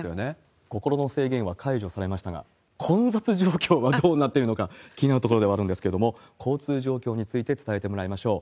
心の制限は解除されましたが、混雑状況はどうなってるのか、気になるところではあるんですけれども、交通状況について伝えてもらいましょう。